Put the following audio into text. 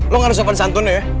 lo gak usah pencantun ya